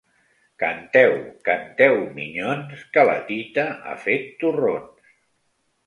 Canteu, canteu minyons, que la tita ha fet torrons!